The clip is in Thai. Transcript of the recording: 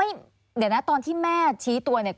เดี๋ยวนะตอนที่แม่ชี้ตัวเนี่ย